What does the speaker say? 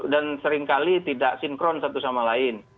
dan seringkali tidak sinkron satu sama lain